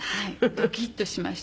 ドキッとしました」